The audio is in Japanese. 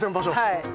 はい。